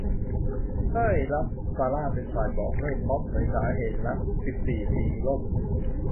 เต้ย รับ ซาร่า เป็นฝ่ายบอกเลิก พร้อมเผยสาเหตุรัก สิบสี่ ปีล่ม